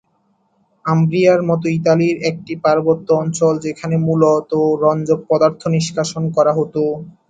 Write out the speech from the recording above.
আম্ব্রিয়া মধ্য ইতালির একটি পার্বত্য অঞ্চল যেখানে মূলত রঞ্জক পদার্থ নিষ্কাশন করা হত।